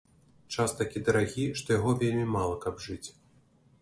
Час такі дарагі, што яго вельмі мала, каб жыць